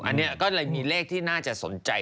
อันนี้ก็เลยมีเลขที่น่าจะสนใจ